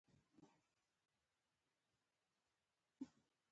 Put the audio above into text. متلونه د ژبې د لهجو ساتندوی دي